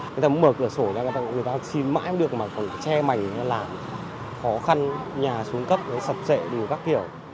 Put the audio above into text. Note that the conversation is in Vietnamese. người ta mở cửa sổ ra người ta xin mãi không được mà còn che mảnh làm khó khăn nhà xuống cấp sập sệ đủ các kiểu